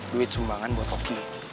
duit sumbangan buat oki